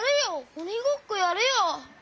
おにごっこやるよ！